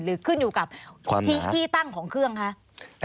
ขึ้นอยู่กับที่ตั้งของเครื่องคะ